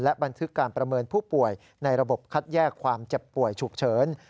บันทึกการประเมินผู้ป่วยในระบบคัดแยกความเจ็บป่วยฉุกเฉิน